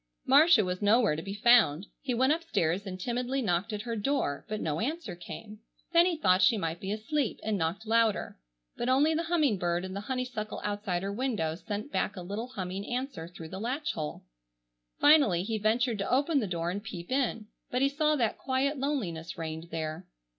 Marcia was nowhere to be found. He went upstairs and timidly knocked at her door, but no answer came. Then he thought she might be asleep and knocked louder, but only the humming bird in the honeysuckle outside her window sent back a little humming answer through the latch hole. Finally he ventured to open the door and peep in, but he saw that quiet loneliness reigned there.